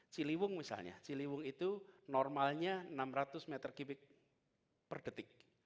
ciliwung misalnya ciliwung itu normalnya enam ratus m tiga per detik